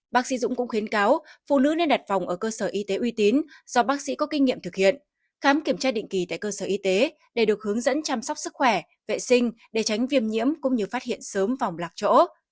bác sĩ dũng cũng khuyến cáo phụ nữ nên đặt phòng ở cơ sở y tế uy tín do bác sĩ có kinh nghiệm thực hiện khám kiểm tra định kỳ tại cơ sở y tế để được hướng dẫn chăm sóc sức khỏe vệ sinh để tránh viêm nhiễm cũng như phát hiện sớm vòng lạc chỗ